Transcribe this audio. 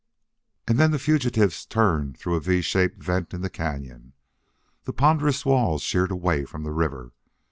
And then the fugitives turned through a V shaped vent in the cañon. The ponderous walls sheered away from the river.